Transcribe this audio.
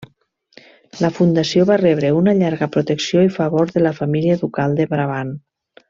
La fundació va rebre una llarga protecció i favor de la família ducal de Brabant.